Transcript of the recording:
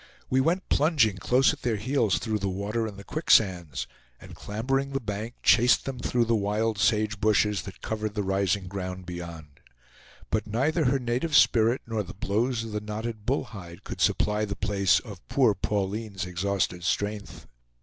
We went plunging close at their heels through the water and the quick sands, and clambering the bank, chased them through the wild sage bushes that covered the rising ground beyond. But neither her native spirit nor the blows of the knotted bull hide could supply the place of poor Pauline's exhausted strength.